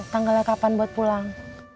tanggalnya kapan buat pulang